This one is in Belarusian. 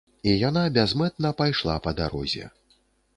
І яна бязмэтна пайшла па дарозе.